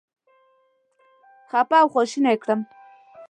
خپه او خواشینی یې کړم.